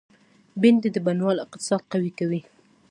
بېنډۍ د بڼوال اقتصاد قوي کوي